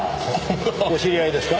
お知り合いですか？